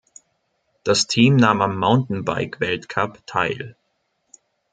Das Team nahm am Mountainbike-Weltcup teil.